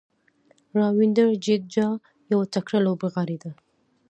راوېندر جډیجا یو تکړه لوبغاړی دئ.